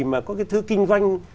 mà có cái thứ kinh doanh